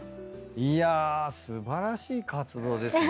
いや素晴らしい活動ですね。